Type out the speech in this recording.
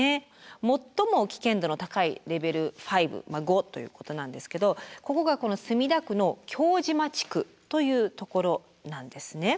最も危険度の高いレベル５５ということなんですけどここがこの墨田区の京島地区というところなんですね。